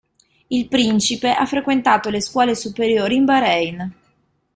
Il principe ha frequentato le scuole superiori in Bahrein.